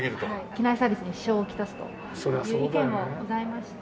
機内サービスに支障をきたすという意見もございまして。